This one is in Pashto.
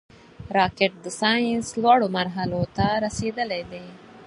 راکټ د ساینس لوړو مرحلو ته رسېدلی دی